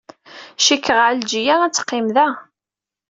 Cikkeɣ Ɛelǧiya ad teqqim da.